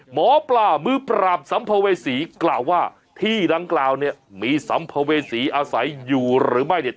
หมอปลามือปราบสัมภเวษีกล่าวว่าที่ดังกล่าวเนี่ยมีสัมภเวษีอาศัยอยู่หรือไม่เนี่ย